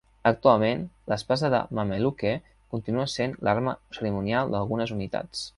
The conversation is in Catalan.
Actualment, l'espasa de Mameluke continua sent l'arma cerimonial d'algunes unitats.